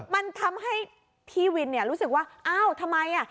มันทำให้พี่วินรู้สึกว่าอ้าวทำไมอ่ะ